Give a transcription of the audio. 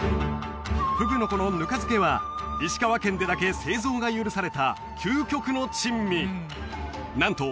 ふぐの子のぬか漬は石川県でだけ製造が許された究極の珍味なんと